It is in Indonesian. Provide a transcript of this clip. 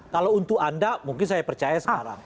kalau untuk anda mungkin saya percaya sekarang